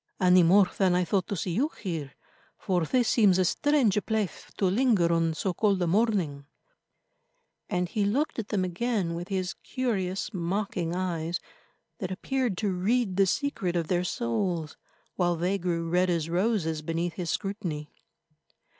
"Any more than I thought to see you here, for this seems a strange place to linger on so cold a morning," and he looked at them again with his curious, mocking eyes that appeared to read the secret of their souls, while they grew red as roses beneath his scrutiny.